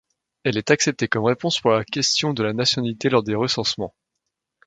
Elle est acceptée comme réponse pour la question de la nationalité lors des recensements.